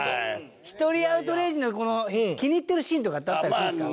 ひとりアウトレイジの気に入ってるシーンとかってあったりするんですか？